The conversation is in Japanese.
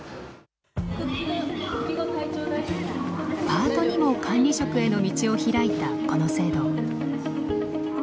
パートにも管理職への道を開いたこの制度。